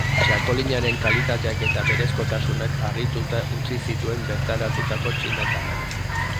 Txakolinaren kalitateak eta berezkotasunak harrituta utzi zituen bertaratutako txinatarrak.